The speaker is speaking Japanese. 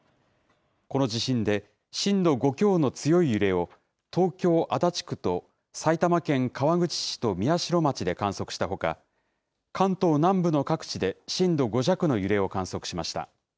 この地震で震度５強の強い揺れを東京・足立区と埼玉県川口市と宮代町で観測したほか、関東南部の各地で震度５弱の揺れを観測しました。